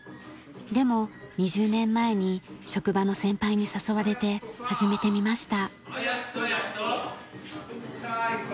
でも２０年前に職場の先輩に誘われて始めてみました。